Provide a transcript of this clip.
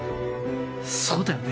そうだよね？